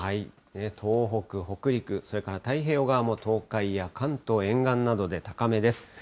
東北、北陸、それから太平洋側も東海や関東沿岸などで高めです。